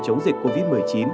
chống dịch covid một mươi chín